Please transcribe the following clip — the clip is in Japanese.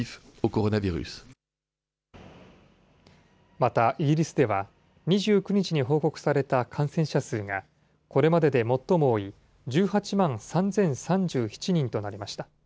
またイギリスでは、２９日に報告された感染者数が、これまでで最も多い１８万３０３７人となりました。